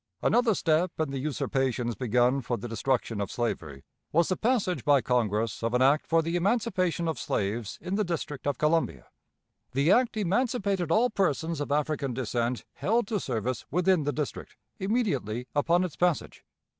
Another step in the usurpations begun for the destruction of slavery was the passage by Congress of an act for the emancipation of slaves in the District of Columbia. The act emancipated all persons of African descent held to service within the District, immediately upon its passage.